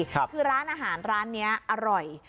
คือร้านอาหารร้านนี้อร่อย